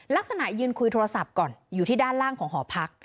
ลักษณะยืนคุยโทรศัพท์ก่อนอยู่ที่ด้านล่างของหอพัก